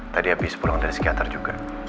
tadi habis pulang dari psikiater juga